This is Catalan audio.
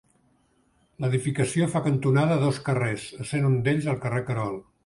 L'edificació fa cantonada a dos carrers, essent un d'ells el carrer Querol.